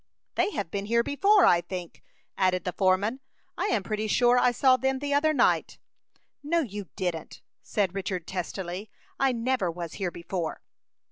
"They have been here before, I think," added the foreman. "I am pretty sure I saw them the other night." "No, you didn't," said Richard, testily. "I never was here before."